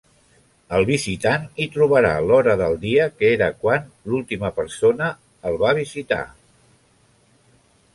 El visitant hi trobarà l'hora del dia que era quan l'última persona el va visitar.